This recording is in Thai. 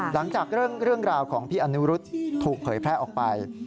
หลังจากเรื่องราวของพี่อนุรุษถูกเผยแพร่ออกไป